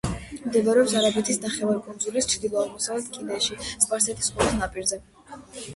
მდებარეობს არაბეთის ნახევარკუნძულის ჩრდილო-აღმოსავლეთ კიდეში სპარსეთის ყურის ნაპირზე.